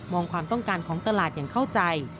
ความต้องการของตลาดอย่างเข้าใจ